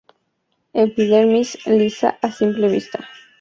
Epidermis lisa a simple vista.